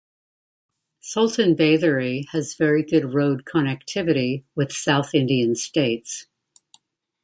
Sultan Bathery has very good road connectivity with south Indian states.